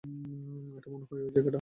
এটা মনে হয় অই জায়গাটা না।